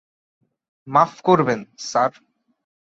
মাফ করবেন, স্যার।